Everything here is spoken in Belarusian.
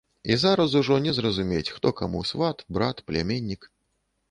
І зараз ужо не зразумець, хто каму сват, брат, пляменнік.